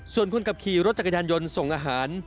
ส่วนคนขับขี่รถจักรยานยนต์ส่งอาหาร